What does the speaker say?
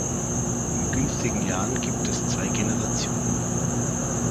In günstigen Jahren gibt es zwei Generationen.